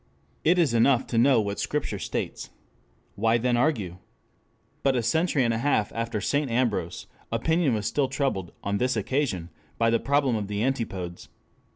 It is enough to know what Scripture states. Why then argue? But a century and a half after St. Ambrose, opinion was still troubled, on this occasion by the problem of the antipodes.